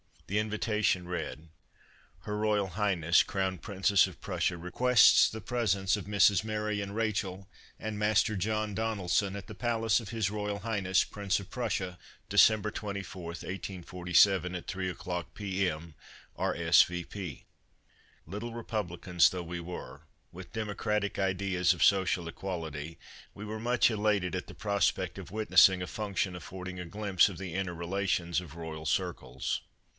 The invitation read :'' H. R. H. Crown Princess of Prussia requests the presence of Misses Mary and Rachel and Master John Donel son at the palace of H. R. H. Prince of Prussia, December 24, 1847, at three o'clock P. M— R. S. V. P." Little republicans though we were, with democratic ideas of social equality, we were much elated at the prospect of witnessing a function affording a glimpse of the inner relations of royal circles.